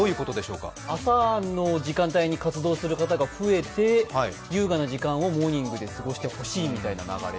朝の時間帯に活動する方が増えて、優雅な時間をモーニングで過ごしてほしいみたいな流れ。